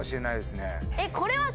えっこれは。